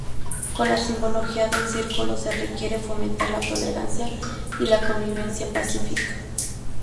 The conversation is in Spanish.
Con la simbología del círculo se quiere fomentar la tolerancia y la convivencia pacífica.